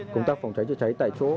công tác phòng cháy chế cháy tại chỗ